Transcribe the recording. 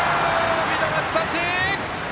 見逃し三振！